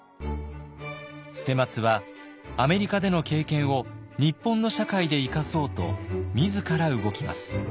捨松はアメリカでの経験を日本の社会で生かそうと自ら動きます。